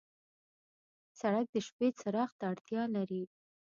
سړک د شپې څراغ ته اړتیا لري.